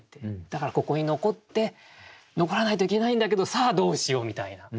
だからここに遺って遺らないといけないんだけどさあどうしようみたいな。